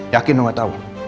yakin lu nggak tahu